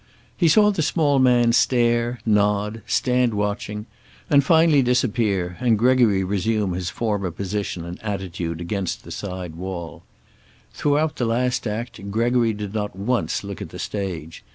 He saw the small man stare, nod, stand watching, and finally disappear, and Gregory resume his former position and attitude against the side wall. Throughout the last act Gregory did not once look at the stage.